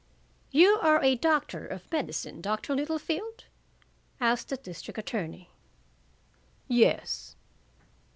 "You are a doctor of medicine, Doctor Littlefield?" asked the district attorney. "Yes."